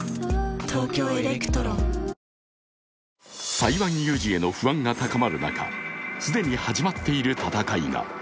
台湾有事への不安が高まる中既に始まっている戦いが。